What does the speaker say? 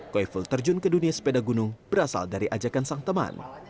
koyful terjun ke dunia sepeda gunung berasal dari ajakan sang teman